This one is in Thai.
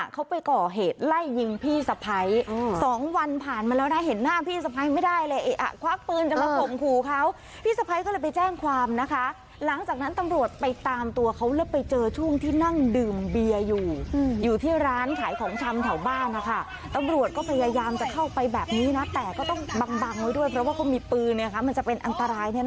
ก็ต้องบางไว้ด้วยเพราะว่าก็มีปืนมันจะเป็นอันตราย